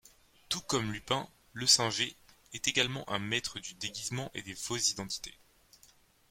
Tout comme Lupin, Lessinger est également un maître du déguisement et des fausses identités.